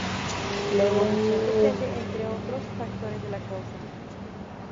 La evolución depende entre otros factores de la causa.